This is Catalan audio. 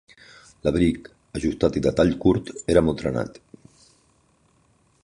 L'abric, ajustat i de tall curt, era molt trenat.